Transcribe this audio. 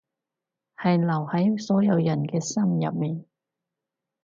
係留喺所有人嘅心入面